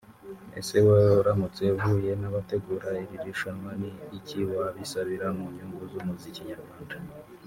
Ese wowe uramutse uhuye n’abategura iri rushanwa ni iki wabisabira mu nyungu z’umuziki nyarwanda